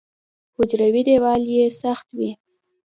حجروي دیوال یې سخت وي.